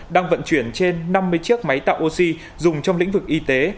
đang vận chuyển trên năm mươi chiếc máy tạo oxy dùng trong lĩnh vực y tế